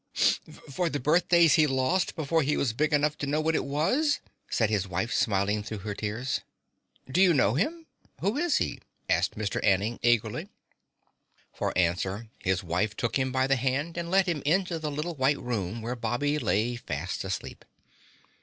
"For the birthdays he lost before he was big enough to know what it was?" said his wife smiling through her tears. "Do you know him? Who is he?" asked Mr. Anning eagerly. For answer, his wife took him by the hand and led him into the little white room where Bobby lay fast asleep.